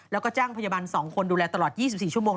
แล้วก็จ้างพยาบาล๒คนดูแลตลอด๒๔ชั่วโมง